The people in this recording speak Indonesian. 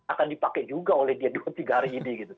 akan dipakai juga oleh dia dua tiga hari ini gitu